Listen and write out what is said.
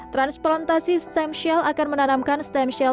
transplantasi stem shell akan menanamkan stem shell